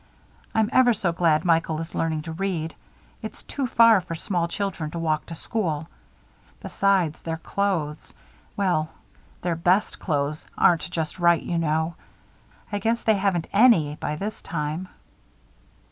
I'm ever so glad Michael is learning to read. It's too far for small children to walk to school. Besides, their clothes well, their best clothes aren't just right, you know. I guess they haven't any by this time."